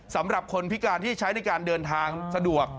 สำหรับคนพิการที่ใช้ในการเดินทางสะดวก